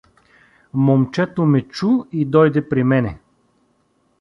Момчето ме чу и дойде при мене.